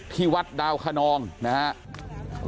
ที่วัดดาวคนองนะครับ